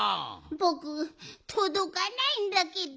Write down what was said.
ぼくとどかないんだけど。